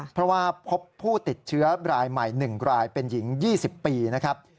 เพราะว่าพบผู้ติดเชื้อรายใหม่๑รายเป็นหญิง๒๐ปีนะครับ